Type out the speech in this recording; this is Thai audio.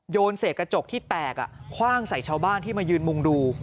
เศษกระจกที่แตกคว่างใส่ชาวบ้านที่มายืนมุงดู